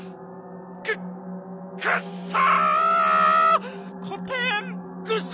くくっさ！